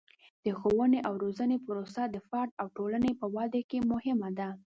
د ښوونې او روزنې پروسه د فرد او ټولنې په ودې کې مهمه ده.